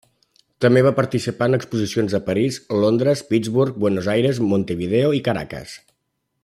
També va participar en exposicions a París, Londres, Pittsburgh, Buenos Aires, Montevideo i Caracas.